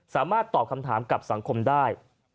สามารถตอบคำถามกับสังคมได้